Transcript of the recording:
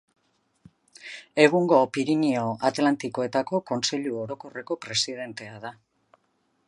Egungo Pirinio Atlantikoetako Kontseilu Orokorreko presidentea da.